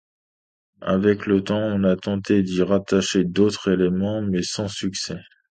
Avec le temps, on a tenté d'y rattacher d'autres éléments, mais sans succès.